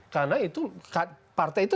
karena itu partai itu